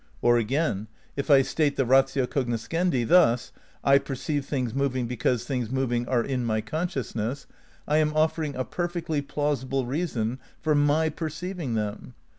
Or, again, if I state the ratio cognoscendi thus: J perceive things moving because things moving are ia my consciousness ; I am offering a perfectly plausible reason for my perceiving them.